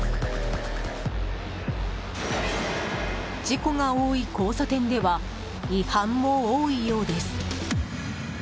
事故が多い交差点では違反も多いようです。